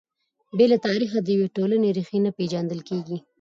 بې له تاریخه د یوې ټولنې ريښې نه پېژندل کیږي.